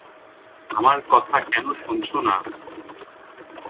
আমার কথা কেন শোনছো না?